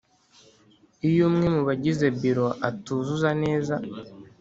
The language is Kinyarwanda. Iyo umwe mu bagize Biro atuzuza neza